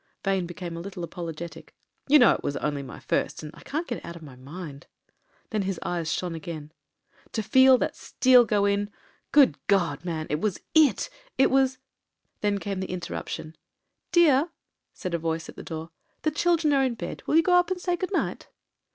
Vane became a little apologetic. "You know it was only my first, and I can't get it out of my mind." Then his eyes shone again. "To feel that steel go in — Good God! man — it was IT: it was ..." Then came the interruptioiL "Dear," said a voice THE CONTRAST 269 at the door, *'the children are in bed; will you go up and say good night."